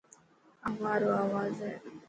هوا رو آواز هي.